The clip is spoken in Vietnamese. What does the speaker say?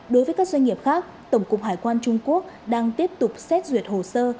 đối với các doanh nghiệp khác tổng cục hải quan trung quốc đang tiếp tục xét duyệt hồ sơ